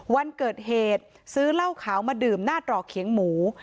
วันเกิดเหตุซื้อเหล้าขาวมาดื่มหน้าตรอกเขียงหมู